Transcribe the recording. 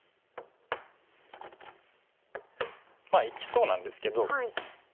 まあ生きそうなんですけど。